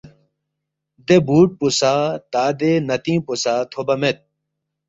دے بُوٹ پو سہ، تا دے نتِنگ پو سہ تھوبا مید